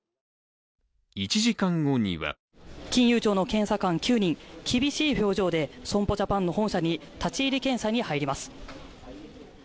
１時間後には金融庁の検査官９人、厳しい表情で損保ジャパンの本社に立ち入り検査に入ります。